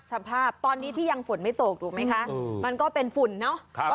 สภาพตอนนี้ที่ยังฝนไม่ตกถูกไหมคะมันก็เป็นฝุ่นเนอะ